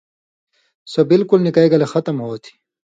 سو بالکل نکئ گلے ختم ہوتھی۔